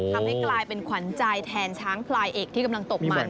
ทำให้กลายเป็นขวัญใจแทนช้างพลายเอกที่กำลังตกมัน